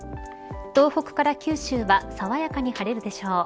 東北から九州は爽やかに晴れるでしょう。